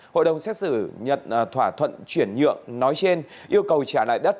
hội đồng xét xử nhận thỏa thuận chuyển nhượng nói trên yêu cầu trả lại đất